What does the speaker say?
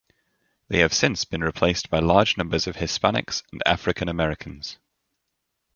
They have since been replaced by large numbers of Hispanics and African Americans.